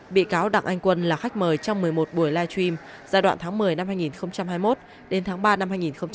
bị cáo đặng anh quân là khách mời trong một mươi một buổi live stream giai đoạn tháng một mươi năm hai nghìn hai mươi một đến tháng ba năm hai nghìn hai mươi ba